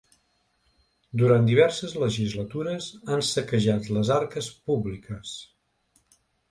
Durant diverses legislatures han saquejat les arques públiques.